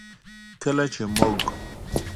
کله چې موږ